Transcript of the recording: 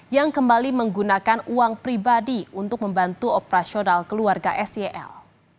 yang kembali menggunakan uang pribadi untuk membantu operasional keluarga sel